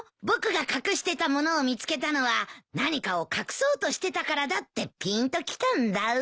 僕が隠してたものを見つけたのは何かを隠そうとしてたからだってぴんときたんだ。